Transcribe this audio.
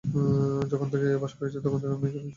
যখন থেকে এমন আভাস পেয়েছি, তখন থেকে আমি এটা বলে আসছি।